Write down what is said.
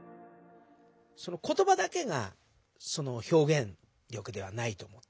言葉だけが表現力ではないと思って。